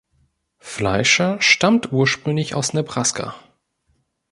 Fleischer stammt ursprünglich aus Nebraska.